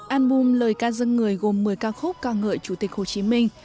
album lời ca dân người gồm một mươi ca khúc ca ngợi chủ tịch hồ chí minh